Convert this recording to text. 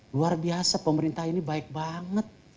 luar biasa pemerintah ini baik banget